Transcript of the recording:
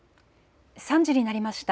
３時になりました。